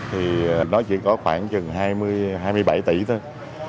thì nó chỉ có khoảng chừng hai mươi bảy tỷ thôi